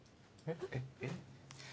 えっ？